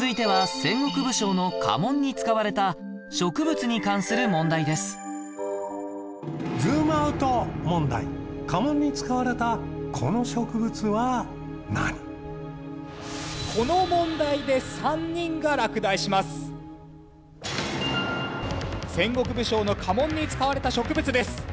戦国武将の家紋に使われた植物です。